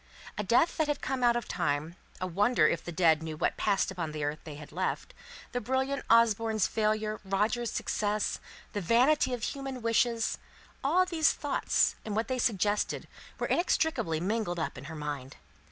A death that had come out of time; a wonder whether the dead knew what passed upon the earth they had left the brilliant Osborne's failure, Roger's success; the vanity of human wishes, all these thoughts, and what they suggested, were inextricably mingled up in her mind.